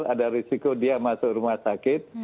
ada risiko dia masuk rumah sakit